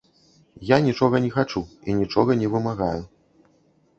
Я нічога не хачу і нічога не вымагаю.